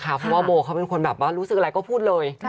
เพราะว่าโบเขาเป็นคนแบบว่ารู้สึกอะไรก็พูดเลย